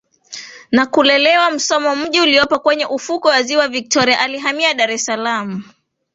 na kulelewa Musoma mji uliopo kwenye ufukwe wa Ziwa Victoria Alihamia Dar es salaam